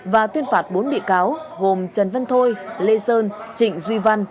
và tuyên phạt bốn bị cáo gồm trần văn thôi lê sơn trịnh duy văn